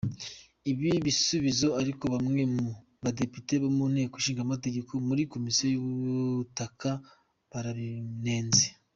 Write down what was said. Ibi bisubizo ariko bamwe mu badepite mu nteko ishingamategeko muri komisiyo y’ubutaka barabinenze.